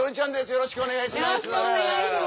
よろしくお願いします。